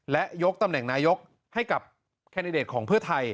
และยกตำแหน่งนายกให้กับแคนดิเดตของเพื่อไทย